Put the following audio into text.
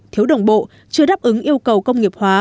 thiếu đồng bộ chưa đáp ứng yêu cầu công nghiệp hóa